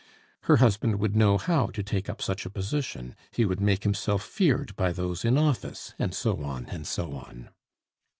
Her husband would know how to take up such a position, he would make himself feared by those in office, and so on and so on.